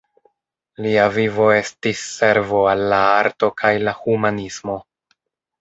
Lia vivo estis servo al la arto kaj la humanismo.